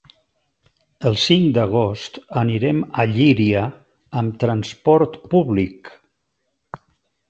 El cinc d'agost anirem a Llíria amb transport públic.